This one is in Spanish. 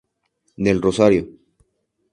Del Rosario.